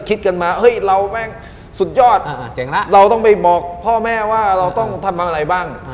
คิดกันมาเฮ้ยเราแม่งสุดยอดเราต้องไปบอกพ่อแม่ว่าเราต้องทำอะไรบ้าง